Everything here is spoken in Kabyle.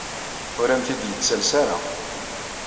Ur am-t-id-yettales ara.